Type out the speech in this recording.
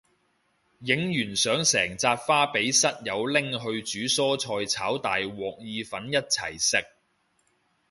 影完相成紮花俾室友拎去煮蔬菜炒大鑊意粉一齊食